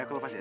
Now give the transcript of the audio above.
aku lepas ya